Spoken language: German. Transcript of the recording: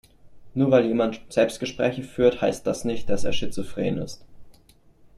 Nur weil jemand Selbstgespräche führt, heißt das nicht, dass er schizophren ist.